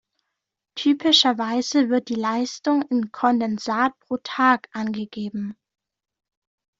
Typischerweise wird die Leistung in "Kondensat pro Tag" angegeben.